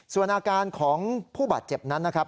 ส่วนอาการของผู้บาดเจ็บนั้นนะครับ